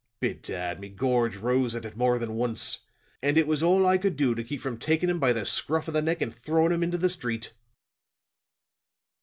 Bedad, me gorge rose at it more than once, and it was all I could do to keep from takin' him by the scruff of the neck and throwin' him intil the street."